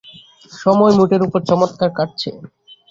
সময় মোটের উপর চমৎকার কাটছে।